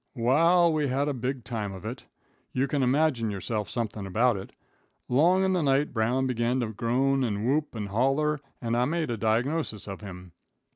Wa'al we had a big time of it. You can imagine yourself somethin' about it. Long in the night Brown began to groan and whoop and holler, and I made a diagnosis of him.